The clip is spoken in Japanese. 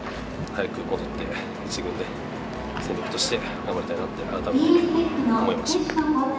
早く戻って、１軍で戦力として頑張りたいなって、改めて思いまし